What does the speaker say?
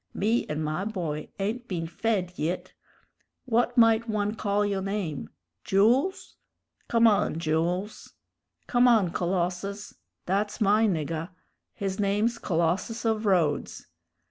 Me and my boy ain't been fed yit. What might one call yo' name? Jools? Come on, Jools. Come on, Colossus. That's my niggah his name's Colossus of Rhodes.